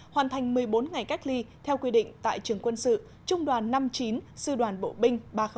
hoàn thành một mươi bốn ngày cách ly theo quy định tại trường quân sự trung đoàn năm mươi chín sư đoàn bộ binh ba trăm linh một